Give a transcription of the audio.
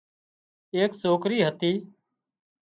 ايڪ سوڪري هتي